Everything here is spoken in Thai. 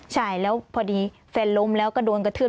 ใช่แล้วพอดีแฟนล้มแล้วก็โดนกระทืบ